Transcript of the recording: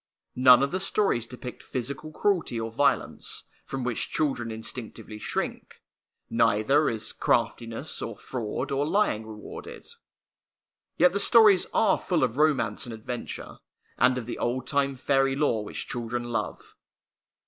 None of the stories depict physical cruelty or violence, from which children instinctively shrink; neither is craftiness or fraud or lying rewarded. Yet the stories are full of romance and adventure, and of the old time fairy lore which children love.